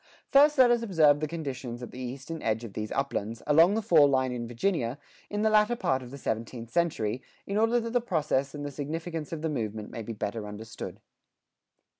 First let us observe the conditions at the eastern edge of these uplands, along the fall line in Virginia, in the latter part of the seventeenth century, in order that the process and the significance of the movement may be better understood.